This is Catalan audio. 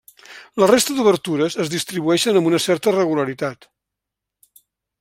La resta d'obertures es distribueixen amb una certa regularitat.